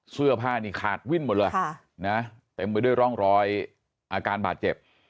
เสื้อผ้านี่ขาดวิ่นหมดเลยเต็มไปด้วยร่องรอยอาการบาดเจ็บ